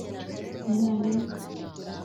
umwarimu